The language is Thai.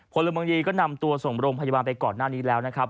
พลเมืองดีก็นำตัวส่งโรงพยาบาลไปก่อนหน้านี้แล้วนะครับ